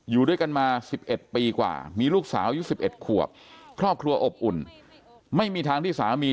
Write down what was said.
อยู่ด้วยกันมา๑๑ปีกว่ามีลูกสาวอายุ๑๑ขวบครอบครัวอบอุ่นไม่มีทางที่สามี